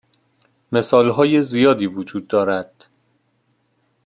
مثال های زیادی وجود دارد.